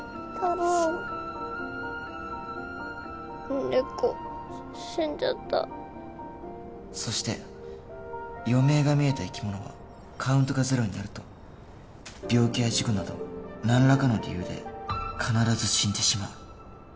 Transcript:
音ネコ死んじゃったそして余命が見えた生き物はカウントがゼロになると病気や事故など何らかの理由で必ず死んでしまう